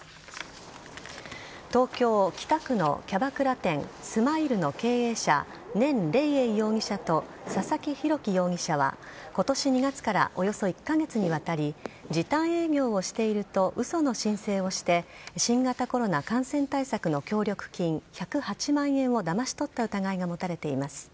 東京・北区のキャバクラ店ＳＭＩＬＥの経営者ネン・エイレイ容疑者と佐々木容疑者は今年２月からおよそ１カ月にわたり時短営業をしていると嘘の申請をして新型コロナ感染対策の協力金１０８万円をだまし取った疑いが持たれています。